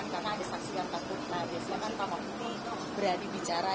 nah biasanya kan pak moky berani bicara